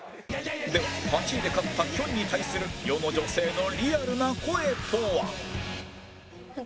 では８位で勝ったきょんに対する世の女性のリアルな声とは？